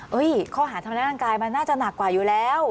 ข้อหาทำร้ายร่างกายมันน่าจะหนักกว่าอยู่แล้ว